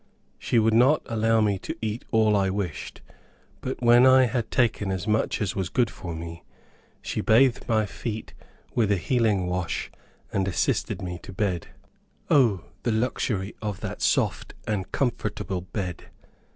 She would not allow me to eat all I wished; but when I had taken as much as was good for me, she bathed my feet with a healing wash, and assisted me to bed. O, the luxury of that soft and comfortable bed!